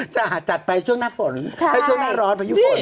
จ่ะจัดไปช่วงหน้าฝนช่วงหน้าร้อนไฟ่วิวฝน